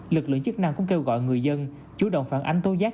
lực lượng chức năng cũng kêu gọi người dân chủ động phản ánh tố giác